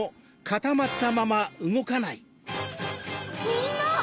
みんな⁉